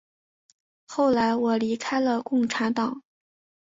后来我离开了共产党。